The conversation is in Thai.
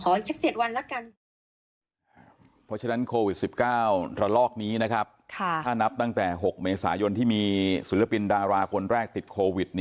เพราะฉะนั้นโควิด๑๙ระลอกนี้นะครับถ้านับตั้งแต่๖เมษายนที่มีศิลปินดาราคนแรกติดโควิด